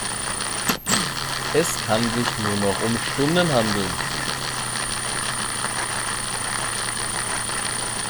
Es kann sich nur noch um Stunden handeln.